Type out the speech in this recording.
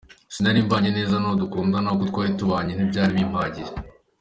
Sinari mbanye neza n’uwo dukundana, uko twari tubanye ntibyari bimpagije”.